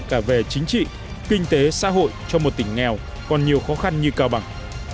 cả về chính trị kinh tế xã hội cho một tỉnh nghèo còn nhiều khó khăn như cao bằng